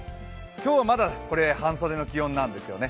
今日はまだ半袖の気温なんですよね。